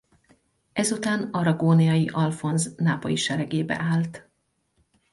Ezután aragóniai Alfonz nápolyi seregébe állt.